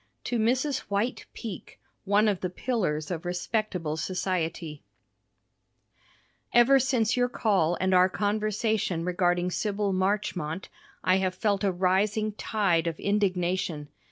To Mrs. White Peak One of the Pillars of Respectable Society Ever since your call and our conversation regarding Sybyl Marchmont, I have felt a rising tide of indignation.